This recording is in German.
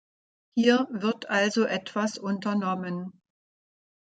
Hier wird also etwas unternommen.